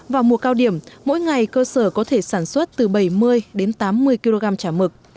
vào mùa cao điểm mỗi ngày cơ sở có thể sản xuất từ bảy mươi đến tám mươi kg chả mực